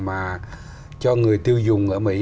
mà cho người tiêu dùng ở mỹ